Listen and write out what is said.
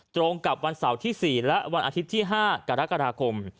ตรงกับวันเสาร์ที่๔และวันอาทิตย์ที่๕กรกฎาคม